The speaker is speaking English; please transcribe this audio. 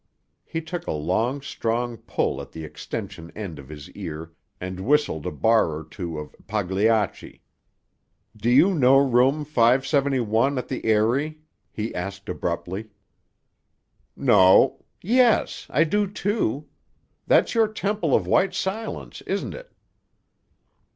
He took a long strong pull at the extension end of his ear, and whistled a bar or two of Pagliacci. "Do you know room 571 at the Eyrie?" he asked abruptly. "No. Yes; I do, too. That's your temple of white silence, isn't it?"